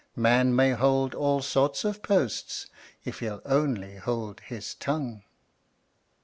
Man may hold all sorts of posts If he'll only hold his tongue.